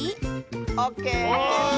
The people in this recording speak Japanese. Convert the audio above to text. オッケー！